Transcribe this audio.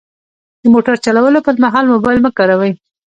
د موټر چلولو پر مهال موبایل مه کاروئ.